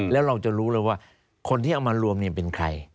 แล้วเราจะรู้เลยว่าคนที่เอามารวมเป็นใคร